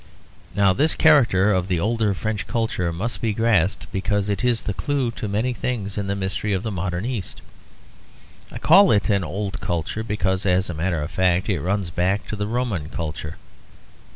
Now this character of the older French culture must be grasped because it is the clue to many things in the mystery of the modern East. I call it an old culture because as a matter of fact it runs back to the Roman culture.